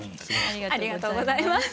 ありがとうございます。